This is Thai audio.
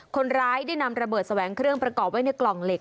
คนร้ายได้นำระเบิดแสวงเครื่องประกอบไว้ในกล่องเหล็